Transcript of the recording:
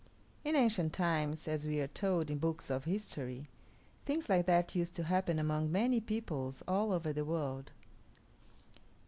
In ancient times, as we are told in books of history, things like that used to happen among many peoples all over the world.